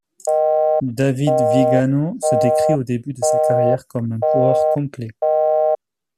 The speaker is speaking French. Davide Viganò se décrit au début de sa carrière comme un coureur complet.